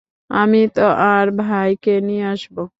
আমি তার ভাইকে নিয়ে আসব।